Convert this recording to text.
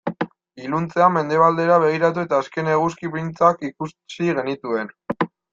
Iluntzean mendebaldera begiratu eta azken eguzki printzak ikusi genituen.